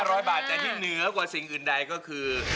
ร้อยบาทแต่ที่เหนือกว่าสิ่งอื่นใดก็คือ